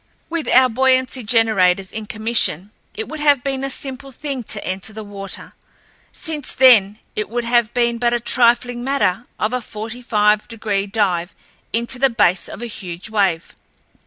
With our buoyancy generators in commission it would have been a simple thing to enter the water, since then it would have been but a trifling matter of a forty five degree dive into the base of a huge wave.